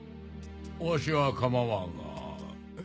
わしは構わんが。